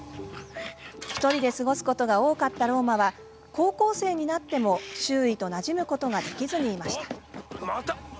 １人で過ごすことが多かったロウマは高校生になっても周囲となじむことができずにいました。